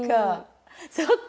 そっか。